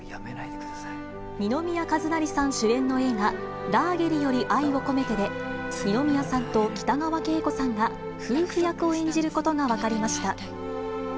二宮和也さん主演の映画、ラーゲリより愛を込めてで、二宮さんと北川景子さんが夫婦役を演じることが分かりました。